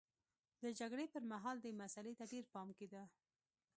د جګړې پرمهال دې مسئلې ته ډېر پام کېده.